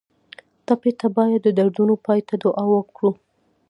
ټپي ته باید د دردونو پای ته دعا وکړو.